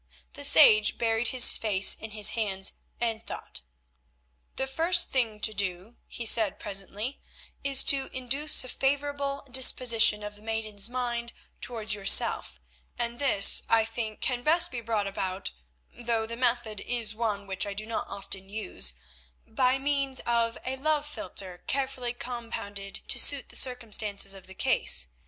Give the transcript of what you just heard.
The sage buried his face in his hands and thought. "The first thing to do," he said presently, "is to induce a favourable disposition of the maiden's mind towards yourself, and this, I think, can best be brought about—though the method is one which I do not often use—by means of a love philtre carefully compounded to suit the circumstances of the case.